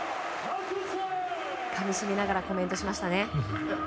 かみしめながらコメントしましたね。